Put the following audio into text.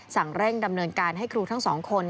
สั่งเร่งดำเนินการให้ครูทั้งสองคน